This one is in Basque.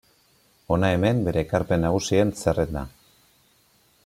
Hona hemen bere ekarpen nagusien zerrenda.